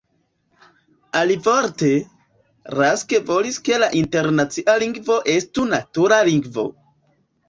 Alivorte, Rask volis ke la internacia lingvo estu natura lingvo.